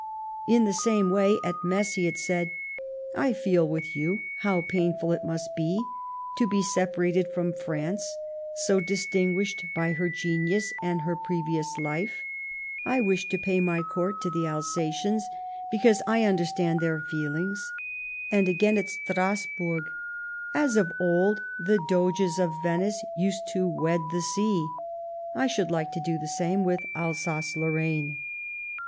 In the same way at Metz he had said : "I feel with you how painful it must be to be separated from France, so distinguished by her genius and her pre vious life ... I wish to pay my court to the Alsa tians because I understand their feelings." And again at Strasburg : "As of old the Doges of Venice used to wed the sea, I should like to do the same with Alsace Lorraine."